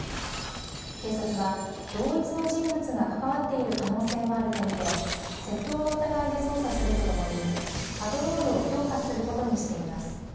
警察は同一の人物が関わっている可能性もあると見て窃盗の疑いで捜査するとともにパトロールを強化することにしています。